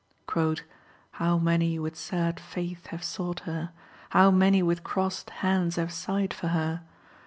_ _"How many with sad faith have sought her? How many with crossed hands have sighed for her?